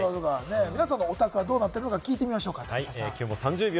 皆さんのお宅はどうなってるのか聞いてみましょうか。